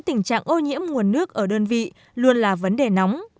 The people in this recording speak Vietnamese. tình trạng ô nhiễm nguồn nước ở đơn vị luôn là vấn đề nóng